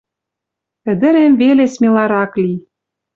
Ӹдӹрем веле смеларак ли